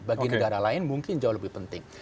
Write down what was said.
bagi negara lain mungkin jauh lebih penting